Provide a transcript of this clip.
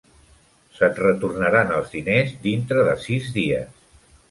Se't retornaran els diners dintre de sis dies.